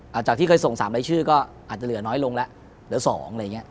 จากที่เคยส่ง๓รายชื่อก็อาจจะเหลือน้อยลงแล้วเหลือ๒อะไรอย่างนี้